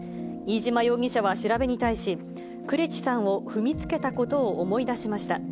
飯島容疑者は調べに対し、呉地さんを踏みつけたことを思い出しました。